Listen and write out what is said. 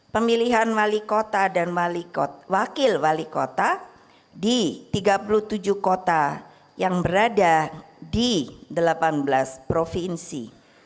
pemilihan wali kota dan wakil wali kota di tiga puluh tujuh kota yang berada di delapan belas provinsi